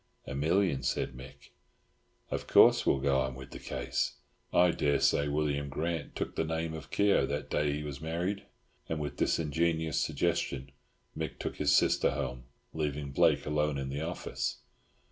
"A million," said Mick. "Of course we'll go on wid the case. I daresay William Grant took the name of Keogh that day he was married," and with this ingenious suggestion Mick took his sister home, leaving Blake alone in the office.